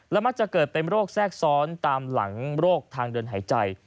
มักจะเกิดเป็นโรคแทรกซ้อนตามหลังโรคทางเดินหายใจ